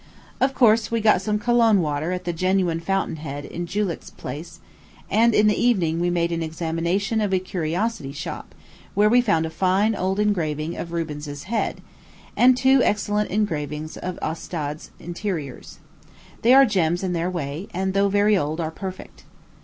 Of course, we got some cologne water at the genuine fountain head in Julich's Place; and in the evening we made an examination of a curiosity shop, where we found a fine old engraving of Rubens's head, and two excellent engravings of Ostades's interiors. They are gems in their way, and, though very old, are perfect.